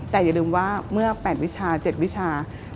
แต่อย่าลืมว่าเมื่อ๘วิชา๗วิชา